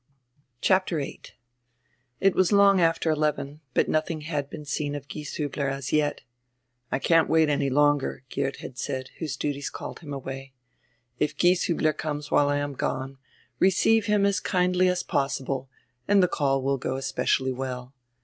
CHAPTER VIII IT was long after eleven, but nothing had been seen of Gieshiibler as yet. "I can't wait any longer," Geert had said, whose duties called him away. "If Gieshiibler comes while I am gone, receive him as kindly as possible and the call will go especially well.